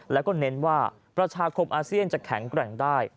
แล้วก็เน้นว่าประชาคมอาเซียนจะแข็งแกร่งได้